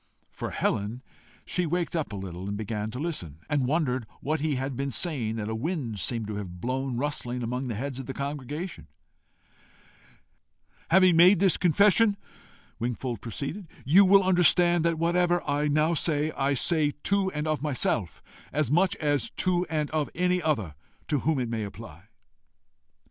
For Helen, she waked up a little, began to listen, and wondered what he had been saying that a wind seemed to have blown rustling among the heads of the congregation. "Having made this confession," Wingfold proceeded, "you will understand that whatever I now say, I say to and of myself as much as to and of any other to whom it may apply."